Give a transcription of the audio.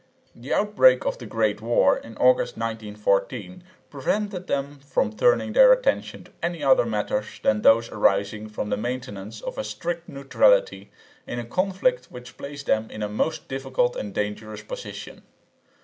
The outbreak of the Great War in August, 1914, prevented them from turning their attention to any other matters than those arising from the maintenance of a strict neutrality in a conflict which placed them in a most difficult and dangerous position.